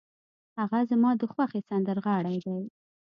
هغه زما د خوښې سندرغاړی دی.